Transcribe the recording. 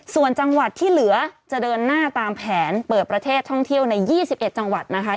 ส่วนจังหวัดที่เหลือจะเดินหน้าตามแผนเปิดประเทศท่องเที่ยวใน๒๑จังหวัดนะคะ